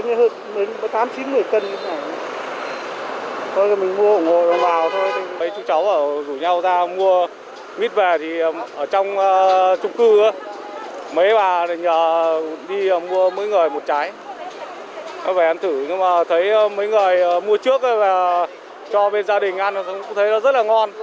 mới về ăn thử nhưng mà thấy mấy người mua trước và cho bên gia đình ăn cũng thấy rất là ngon